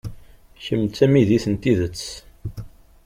Kemm d tamidit n tidet.